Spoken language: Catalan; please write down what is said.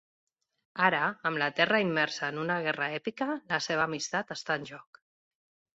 Ara, amb la Terra immersa en una guerra èpica, la seva amistat està en joc.